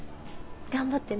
頑張ってな。